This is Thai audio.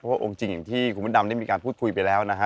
เพราะองค์จริงอย่างที่คุณพระดำได้มีการพูดคุยไปแล้วนะฮะ